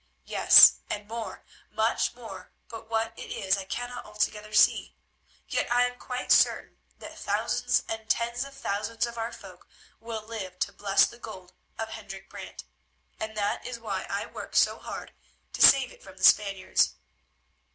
Yes, and more, much more, but what it is I cannot altogether see. Yet I am quite certain that thousands and tens of thousands of our folk will live to bless the gold of Hendrik Brant, and that is why I work so hard to save it from the Spaniards.